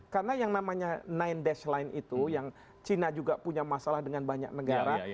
karena yang namanya sembilan line itu yang cina juga punya masalah dengan banyak negara